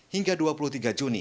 hingga dua puluh tiga juni